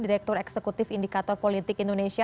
direktur eksekutif indikator politik indonesia